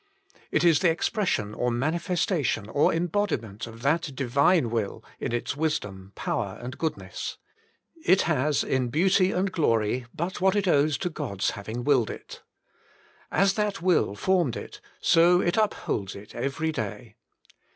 It is the expression or manifestation or embodiment of that Divine Will in its wisdom, power and good ness. It has, in beauty and glory, but what it owes to God's having willed it. As that Will formed it, so it upholds it every day.